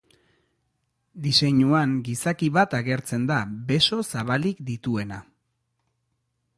Diseinuan gizaki bat agertzen da beso zabalik dituena.